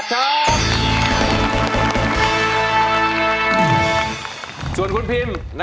สียกีฬศุรกิจ